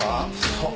そう。